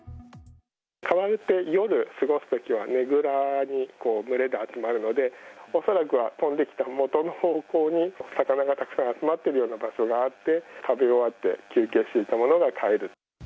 カワウって、夜過ごすときはねぐらに群れで集まるので、恐らくは、飛んできた元の方向に魚がたくさん集まってるような場所があって、食べ終わって休憩していたものが帰る。